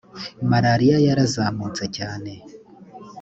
malaria yarazamutse cyane